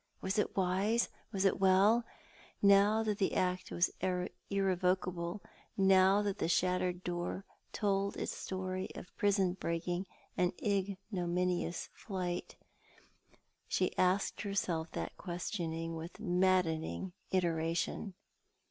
Was it wise, was it well ? Now that tiio act was irrevocable — now that the shattered door told its^tory of prison breaking and ignominious flight, she asked lierself that question with maddening iteration.